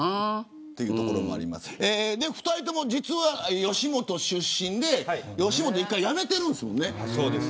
２人とも実は吉本出身で吉本１回辞めてるんですもんね。